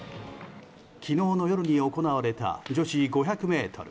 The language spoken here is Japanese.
昨日の夜に行われた女子５００ｍ。